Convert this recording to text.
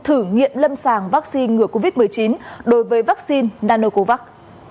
thử nghiệm lâm sàng vaccine ngừa covid một mươi chín đối với vaccine nanocovax